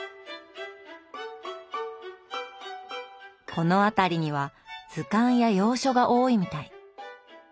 この辺りには図鑑や洋書が多いみたい。